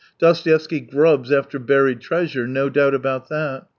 Dostoevsky grubs after buried treasure — no doubt about that.